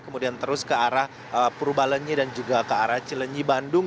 kemudian terus ke arah purbalenyi dan juga ke arah cilenyi bandung